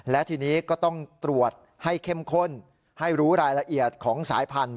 และทีนี้ก็ต้องตรวจให้เข้มข้นให้รู้รายละเอียดของสายพันธุ